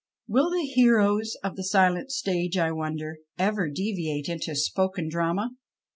Will the heroes of the " silent stage," I wonder, ever deviate into " spoken drama